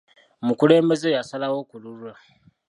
Omukulembeze yasalawo ku lulwe.